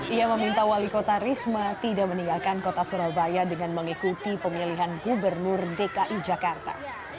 ia meminta wali kota risma tidak meninggalkan kota surabaya dengan mengikuti pemilihan gubernur dki jakarta